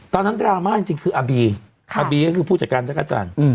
ดราม่าจริงคืออาบีอาร์บีก็คือผู้จัดการจักรจันทร์